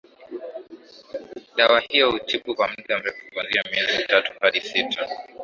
dawa hiyo hutibu kwa mda mrefu kuanzia miezi mitatu hadi sita